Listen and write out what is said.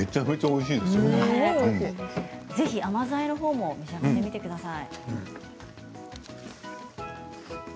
ぜひ甘酢あえのほうも召し上がってみてください。